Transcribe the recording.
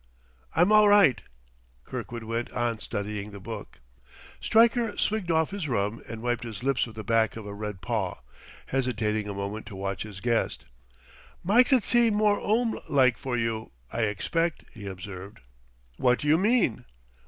"I'm all right." Kirkwood went on studying the book. Stryker swigged off his rum and wiped his lips with the back of a red paw, hesitating a moment to watch his guest. "Mykes it seem more 'ome like for you, I expect," he observed. "What do you mean?"